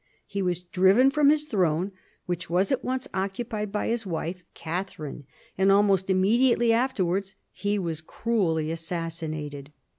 He was driven from his throne, which was at once occupied by his wife Catherine; and almost immediately after wards he was cruelly assassinated.